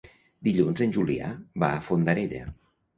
Dilluns en Julià va a Fondarella.